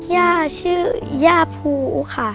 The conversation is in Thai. ย่าชื่อย่าภูค่ะ